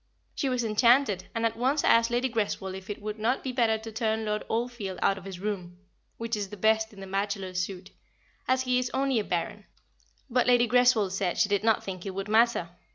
She was enchanted, and at once asked Lady Greswold if it would not be better to turn Lord Oldfield out of his room which is the best in the bachelors' suite as he is only a baron; but Lady Greswold said she did not think it would matter.